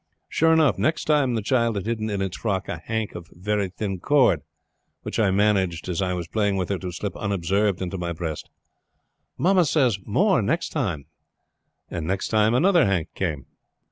Sure enough next time the child had hidden in its frock a hank of very thin cord, which I managed as I was playing with her to slip unobserved into my breast. 'Mammy says more next time.' And next time another hank came.